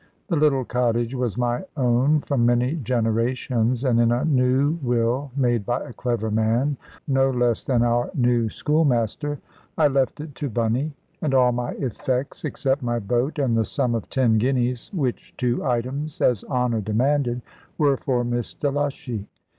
The little cottage was my own from many generations, and in a new will made by a clever man (no less than our new schoolmaster), I left it to Bunny, and all my effects, except my boat, and the sum of ten guineas, which two items, as honour demanded, were for Miss Delushy.